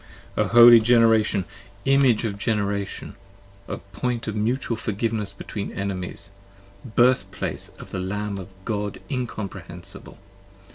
65 O holy Generation, Image of regeneration ! O point of mutual forgiveness between Enemies ! Birthplace of the Lamb of God incomprehensible